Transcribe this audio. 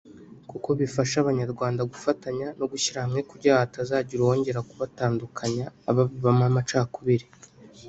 kuko bifasha abanyarwanda gufatanya no gushyira hamwe kugira ngo hatazagira uwongera kubatandukanya ababibamo amacakubiri